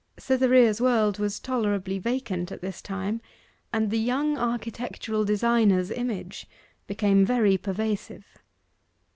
Cytherea's world was tolerably vacant at this time, and the young architectural designer's image became very pervasive.